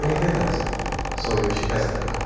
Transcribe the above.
そういう失敗作が。